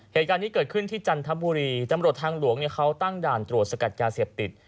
เหตุการณ์นี้เกิดขึ้นที่จันทบุรีตำรวจทางหลวงเนี่ยเขาตั้งด่านตรวจสกัดยาเสพติด